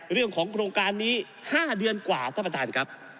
เรื่องของโครงการนี้ห้าเดือนกว่าท่านประธานครับ